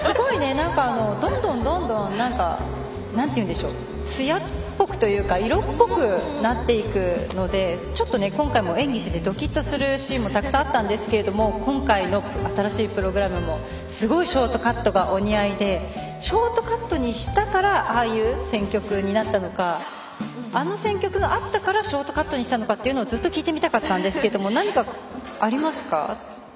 どんどんつやっぽくというか色っぽくなっていくので今回も演技見ててドキッとする場面があったんですけど今回の新しいプログラムもすごいショートカットがお似合いでショートカットにしたからああいう選曲になったのかあの選曲があったからショートカットにしたのかっていうのをずっと聞いてみたかったんですが何かありますか？